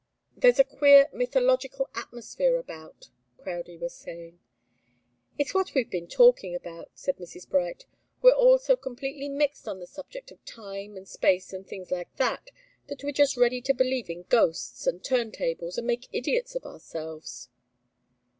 "There's a queer, mythological atmosphere about," Crowdie was saying. "It's what we've been talking about," said Mrs. Bright. "We're all so completely mixed on the subject of time and space and things like that, that we're just ready to believe in ghosts, and turn tables, and make idiots of ourselves."